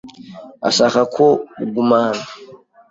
Ashaka ko uguma hano.